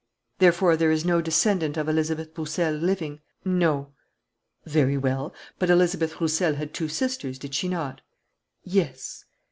"Therefore there is no descendant of Elizabeth Roussel living?" "No." "Very well. But Elizabeth Roussel had two sisters, did she not?" "Yes."